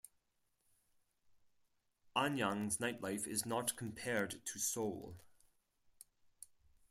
Anyang's nightlife is not compared to Seoul.